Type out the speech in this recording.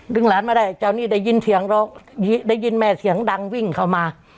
หลานมาได้เจ้านี่ได้ยินเสียงร้องได้ยินแม่เสียงดังวิ่งเข้ามา